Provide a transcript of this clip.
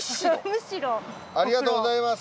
ありがとうございます。